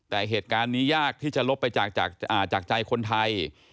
แต่เหตุการณ์นี้ยากที่จะลบไปจากใจคนไทย